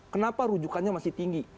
kenapa rujukannya masih tinggi